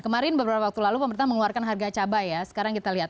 kemarin beberapa waktu lalu pemerintah mengeluarkan harga cabai ya sekarang kita lihat